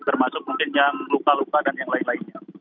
termasuk mungkin yang luka luka dan yang lain lainnya